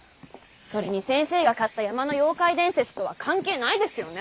それに先生が買った山の妖怪伝説とは関係ないですよね？